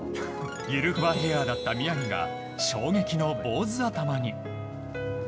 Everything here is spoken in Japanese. ゆるふわヘアだった宮城が衝撃の坊主頭に。